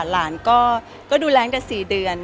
หลานก็ดูแลกัน๔เดือน